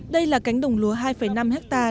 đây là cánh đồng lúa hai năm hectare